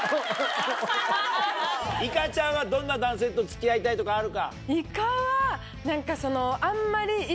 いかちゃんはどんな男性と付き合いたいとかあるか？